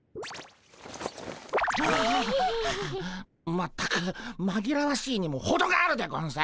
全くまぎらわしいにもほどがあるでゴンス。